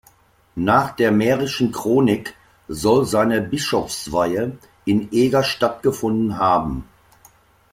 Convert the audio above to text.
Nach der Mährischen Chronik soll seine Bischofsweihe in Eger stattgefunden haben.